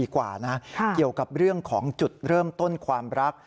กว่านะเกี่ยวกับเรื่องของจุดเริ่มต้นความรัก